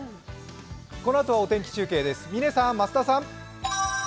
このあとは、お天気中継です。